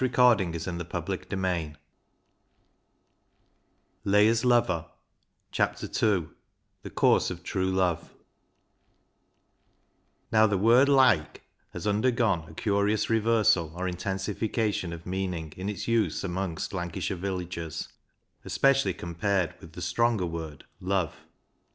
Leah's Lover II The Course of True Love 53 Leah's Lover II The Course of Frue Love Now the word " loike " has undergone a curious reversal or intensification of meaning in its use amongst Lancashire villagers, especially com pared with the stronger word " love."